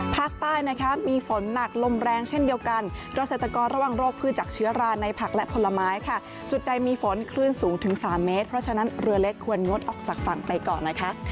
ภาคใต้นะคะมีฝนหนักลมแรงเช่นเดียวกันเกษตรกรระวังโรคพืชจากเชื้อราในผักและผลไม้ค่ะจุดใดมีฝนคลื่นสูงถึง๓เมตรเพราะฉะนั้นเรือเล็กควรงดออกจากฝั่งไปก่อนนะคะ